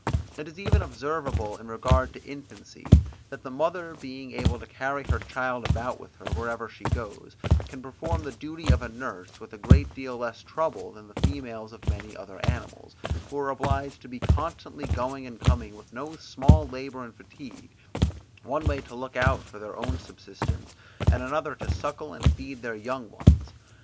It is even observable in regard to infancy, that the mother being able to carry her child about with her, wherever she goes, can perform the duty of a nurse with a great deal less trouble, than the females of many other animals, who are obliged to be constantly going and coming with no small labour and fatigue, one way to look out for their own subsistence, and another to suckle and feed their young ones.